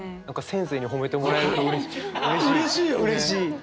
何か先生に褒めてもらえるとうれしい。